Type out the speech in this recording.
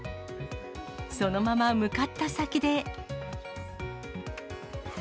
そのまま向かった先で。